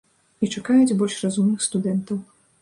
І чакаюць больш разумных студэнтаў.